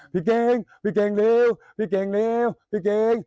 เก่งพี่เก่งเร็วพี่เก่งเร็วพี่เจ๋ง